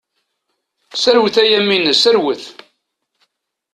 Serwet a Yamina, serwet!